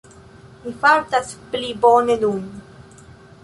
Mi fartas pli bone nun.